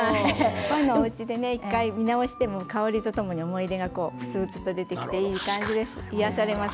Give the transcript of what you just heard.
こういうのおうちで１回見直して香りとともに思い出がふつふつと出てきて癒やされます。